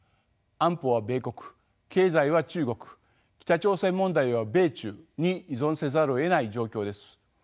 安保は米国経済は中国北朝鮮問題は米中に依存せざるをえない状況です。